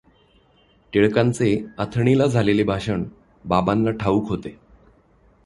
टिळकांचे अथणीला झालेले भाषण बाबांना ठाऊक होते.